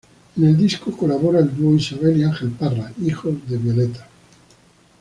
En el disco colabora el dúo Isabel y Ángel Parra, hijos de Violeta.